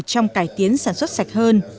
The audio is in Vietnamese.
trong cải tiến sản xuất sạch hơn